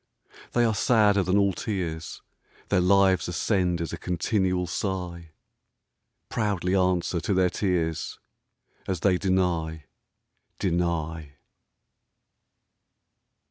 They are sadder than all tears ; Their lives ascend as a continual sigh. Proudly answer to their tears : As they deny, deny.